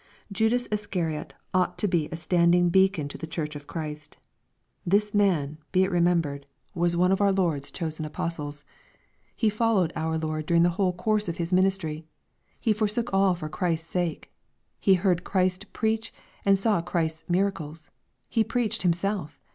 Judas Iscarot ought to be a standing beacon to the church of Christ. This man, be it remembered, was one 390 EXPOSITORY THOUGHTS. of our Lord's chosen apostles. He followed our Lord during the whole course of His ministry. He. forsook all for Christ's sake. He heard Christ preach and sa^ Christ's miracles. He preached himself.